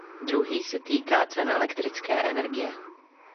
Druhý se týká cen elektrické energie.